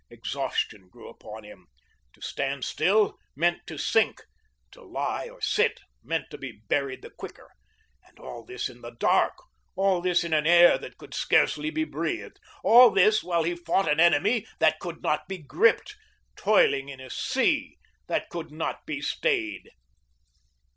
Exhaustion grew upon him. To stand still meant to sink; to lie or sit meant to be buried the quicker; and all this in the dark, all this in an air that could scarcely be breathed, all this while he fought an enemy that could not be gripped, toiling in a sea that could not be stayed.